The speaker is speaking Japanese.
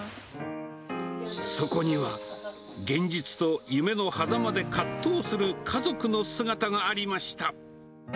そこには、現実と夢のはざまで葛藤する家族の姿がありました。